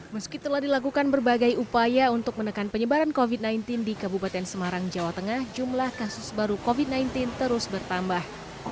meski telah dilakukan berbagai upaya untuk menekan penyebaran covid sembilan belas di kabupaten semarang jawa tengah jumlah kasus baru covid sembilan belas terus bertambah